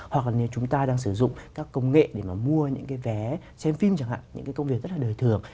hoặc là chúng ta đang sử dụng các công nghệ để mà mua những cái vé xem phim chẳng hạn những cái công việc rất là đời thường